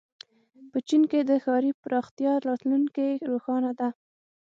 په چین کې د ښاري پراختیا راتلونکې روښانه ده.